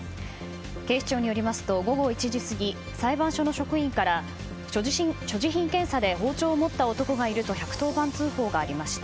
警視庁によりますと午後１時過ぎ裁判所の職員から所持品検査で包丁を持った男がいると１１０番通報がありました。